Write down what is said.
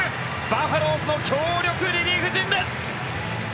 バファローズの強力リリーフ陣です。